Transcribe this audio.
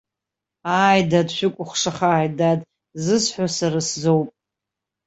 Ааит, дад дшәыкәыхшааит, дад ззысҳәо сара сзоуп!